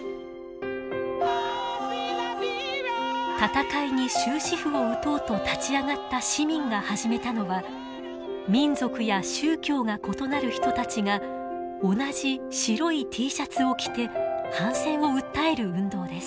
戦いに終止符を打とうと立ち上がった市民が始めたのは民族や宗教が異なる人たちが同じ白いＴシャツを着て反戦を訴える運動です。